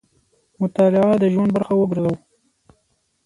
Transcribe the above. مطالعه د ژوند برخه وګرځوو.